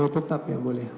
oh tetap ya mulia